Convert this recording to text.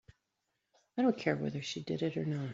I don't care whether she did or not.